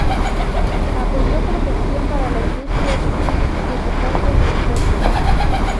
Apoyó protección para la industria textil y recortes de impuestos.